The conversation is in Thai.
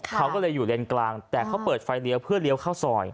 เขาก็เลยอยู่เลนกลางแต่เขาเปิดไฟเลี้ยวเพื่อเลี้ยวเข้าซอย